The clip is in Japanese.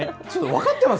分かってます？